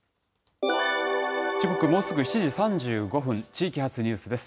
時刻、もうすぐ７時３５分、地域発ニュースです。